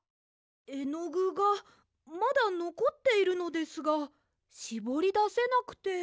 えのぐがまだのこっているのですがしぼりだせなくて。